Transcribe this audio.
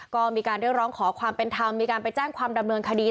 ก็มีการเรียกร้องขอความเป็นธรรมมีการไปแจ้งความดำเนินคดี